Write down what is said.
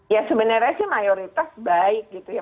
ya sebenarnya sih mayoritas baik gitu ya